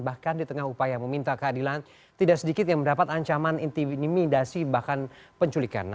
bahkan di tengah upaya meminta keadilan tidak sedikit yang mendapat ancaman intimidasi bahkan penculikan